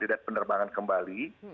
tidak penerbangan kembali